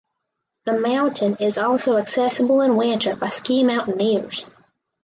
The mountain is also accessible in winter by ski mountaineers.